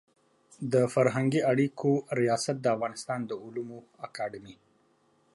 د فرهنګي اړیکو ریاست د افغانستان د علومو اکاډمي